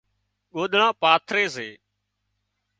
ڳوۮڙان پاٿري سي